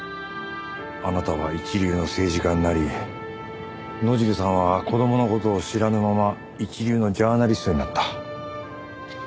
あなたは一流の政治家になり野尻さんは子供の事を知らぬまま一流のジャーナリストになった。